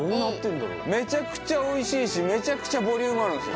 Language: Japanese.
めちゃくちゃおいしいしめちゃくちゃボリュームあるんすよ